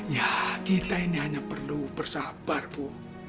ya kita ini hanya perlu bersabar bu